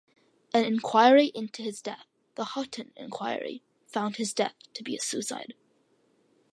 An inquiry into his death, The Hutton Inquiry, found his death to be suicide.